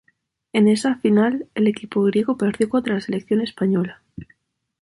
En esa final, el equipo griego perdió contra la selección española.